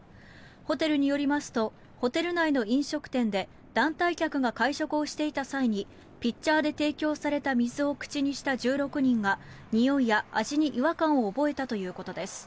ホテルによりますとホテル内の飲食店で団体客が会食をしていた際にピッチャーで提供された水を口にした１６人がにおいや味に違和感を覚えたということです。